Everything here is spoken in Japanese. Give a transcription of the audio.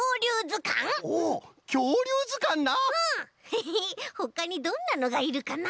ヘヘッほかにどんなのがいるかな？